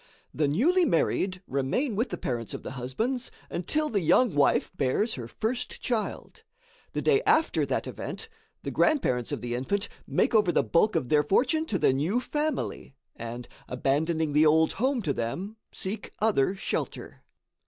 The newly married remain with the parents of the husbands, until the young wife bears her first child. The day after that event, the grandparents of the infant make over the bulk of their fortune to the new family, and, abandoning the old home to them, seek other shelter.